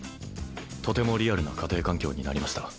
とてもリアルな家庭環境になりました